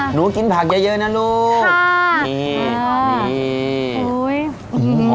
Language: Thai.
หนูกินผักเยอะเนอะลูก